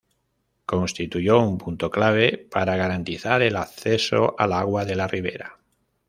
Constituyó un punto clave para garantizar el acceso al agua de la Ribera.